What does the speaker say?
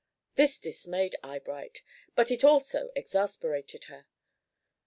This dismayed Eyebright, but it also exasperated her.